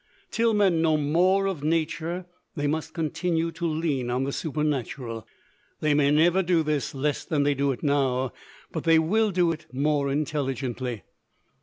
Till men know more of Nature, they must continue to lean on the Supernatural. They may never do this less than they do it now; but they will do it more intelligently.